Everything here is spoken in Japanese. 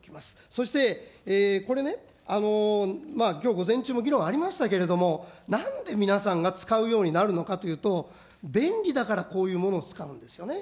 そして、これね、きょう午前中も議論ありましたけれども、なんで皆さんが使うようになるのかというと、便利だからこういうものを使うんですよね。